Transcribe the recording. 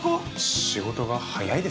仕事が早いですね。